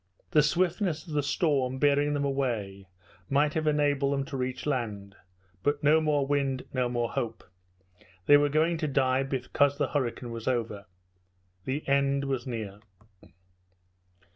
The swiftness of the storm, bearing them away, might have enabled them to reach land; but no more wind, no more hope. They were going to die because the hurricane was over. The end was near!